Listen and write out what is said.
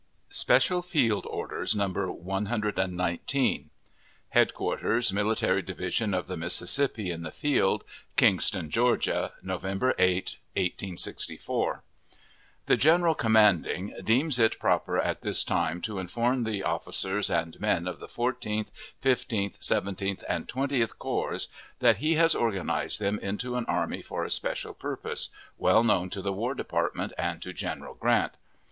[Special Field Orders, No. 119.] HEADQUARTERS MILITARY DIVISION OF THE MISSISSIPPI IN THE FIELD, KINGSTON, GEORGIA, November 8, 1864 The general commanding deems it proper at this time to inform the officers and men of the Fourteenth, Fifteenth, Seventeenth, and Twentieth Corps, that he has organized them into an army for a special purpose, well known to the War Department and to General Grant.